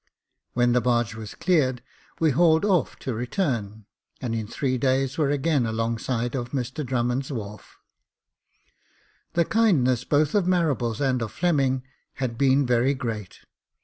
When the barge was cleared, we hauled off to return, and in three days were again alongside of Mr Drummond's wharf. The kindness both of Marables and of Fleming had been very great.